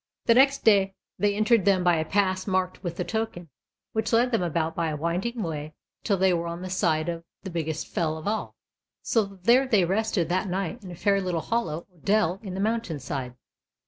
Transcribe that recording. The next day they entered them by a pass marked with the token, which led them about by a winding way till they were on the side of the biggest fell of all; so there they rested that night in a fair little hollow or dell in the mountain side.